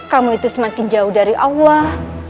kamu itu semakin jauh dari allah